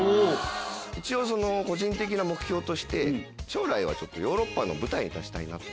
一応その個人的な目標として将来はヨーロッパの舞台に立ちたいなと。